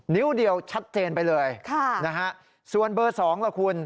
นิ้วเดียวชัดเจนไปเลยค่ะนะฮะส่วนเบอร์สองล่ะคุณ